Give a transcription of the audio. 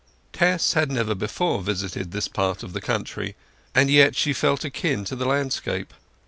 Tess had never before visited this part of the country, and yet she felt akin to the landscape.